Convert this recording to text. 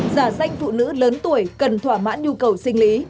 giả danh phụ nữ lớn tuổi cần thỏa mãn nhu cầu sinh lý